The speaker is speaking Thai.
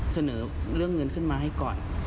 เสนอเรื่องเงินขึ้นมาให้ก่อน